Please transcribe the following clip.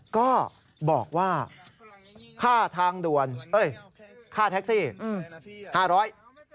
ก็บอกว่าค่าทางด่วนเอ้ยค่าแท็กซี่๕๐๐บาท